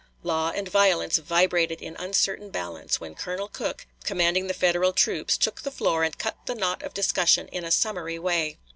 Law and violence vibrated in uncertain balance, when Colonel Cooke, commanding the Federal troops, took the floor and cut the knot of discussion in a summary way.